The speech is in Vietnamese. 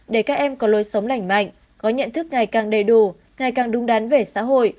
để các em có lối sống lành mạnh có nhận thức ngày càng đầy đủ ngày càng đúng đắn về xã hội